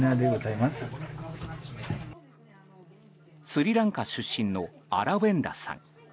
スリランカ出身のアラウェンダさん。